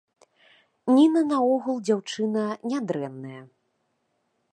Ніна наогул дзяўчына нядрэнная.